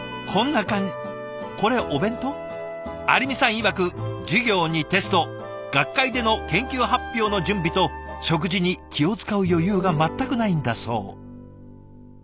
いわく授業にテスト学会での研究発表の準備と食事に気を遣う余裕が全くないんだそう。